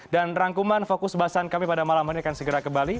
dan rangkuman fokus bahasan kami pada malam hari ini akan segera kembali